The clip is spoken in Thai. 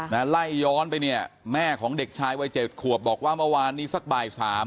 ไล่ย้อนไปเนี่ยแม่ของเด็กชายวัยเจ็ดขวบบอกว่าเมื่อวานนี้สักบ่ายสาม